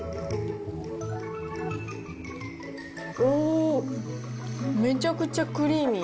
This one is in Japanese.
おー、めちゃくちゃクリーミー。